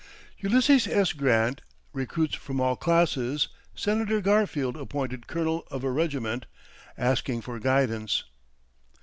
Ulysses S. Grant Recruits from all Classes Senator Garfield appointed Colonel Of a Regiment Asking for Guidance.